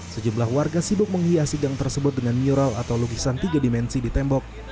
sejumlah warga sibuk menghiasi gang tersebut dengan mural atau lukisan tiga dimensi di tembok